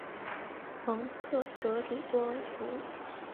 蒙特格里多尔福。